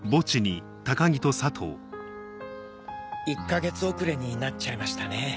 １か月遅れになっちゃいましたね。